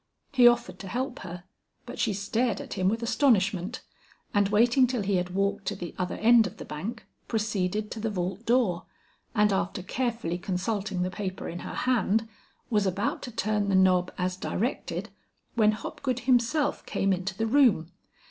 He offered to help her, but she stared at him with astonishment, and waiting till he had walked to the other end of the bank, proceeded to the vault door, and after carefully consulting the paper in her hand, was about to turn the knob as directed, when Hopgood himself came into the room.